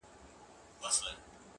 د سترگو توري په کي به دي ياده لرم-